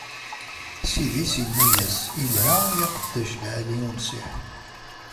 Ssid-is inna-as: Ilha, ay aqeddac lɛali, unṣiḥ!